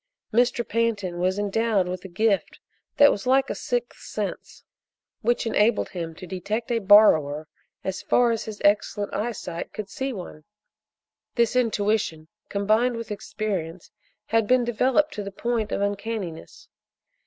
Mr. Pantin was endowed with a gift that was like a sixth sense, which enabled him to detect a borrower as far as his excellent eyesight could see one. This intuition, combined with experience, had been developed to the point of uncanniness.